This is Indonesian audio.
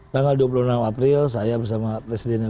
tanggal dua puluh enam april saya bersama presidennya